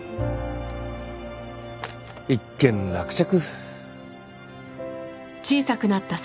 一件落着。